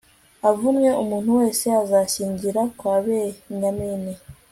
avumwe, umuntu wese uzashyingira kwa benyamini